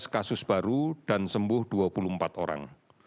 dua belas kasus baru dan sembuh dua puluh empat orang